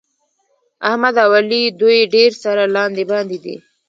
احمد او علي دوی ډېر سره لاندې باندې دي.